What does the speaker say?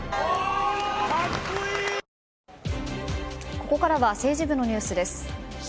ここからは政治部のニュースです。